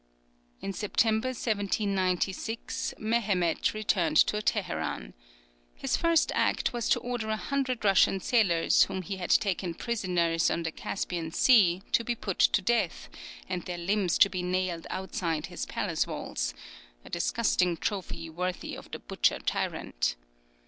In September, 1796, Mehemet returned to Teheran. His first act was to order a hundred Russian sailors whom he had taken prisoners on the Caspian Sea, to be put to death, and their limbs to be nailed outside his palace walls a disgusting trophy worthy of the butcher tyrant.